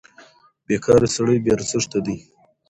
بېکاره سړی بې ارزښته دی.